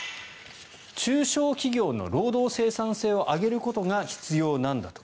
中小企業の労働生産性を上げることが必要なんだと。